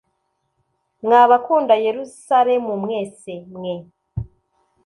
Mwa bakunda Yerusalemu mwese mwe